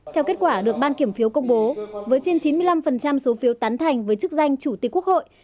theo kết quả được ban kiểm phiếu công bố với trên chín mươi năm số phiếu tán thành với chức danh chủ tịch quốc hội